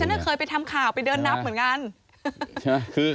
ดิฉันเหมือนเคยไปทำข่าวไปเดินนับเหมือนกัน